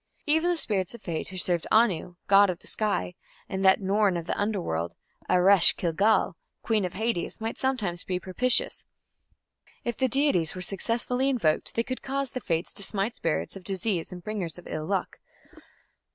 Even the spirits of Fate who served Anu, god of the sky, and that "Norn" of the Underworld, Eresh ki gal, queen of Hades, might sometimes be propitious: if the deities were successfully invoked they could cause the Fates to smite spirits of disease and bringers of ill luck.